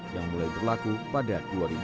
yang mulai berlaku pada dua ribu tujuh belas